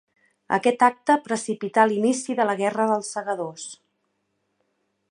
Aquest acte precipità l'inici de la Guerra dels Segadors.